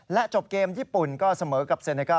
จบเกมญี่ปุ่นก็เสมอกับเซเนก้า